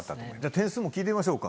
点数も聞いてみましょうか。